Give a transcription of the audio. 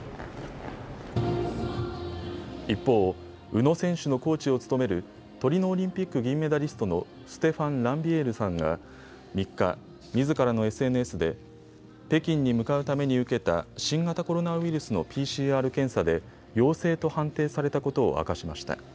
一方、宇野選手のコーチを務めるトリノオリンピック銀メダリストのステファン・ランビエールさんが３日、みずからのＳＮＳで北京に向かうために受けた新型コロナウイルスのＰＣＲ検査で陽性と判定されたことを明かしました。